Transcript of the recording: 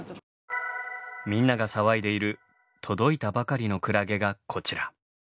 みんなが騒いでいる届いたばかりのクラゲがこちら。